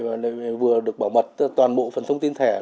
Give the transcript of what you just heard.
và vừa được bảo mật toàn bộ phần thông tin thẻ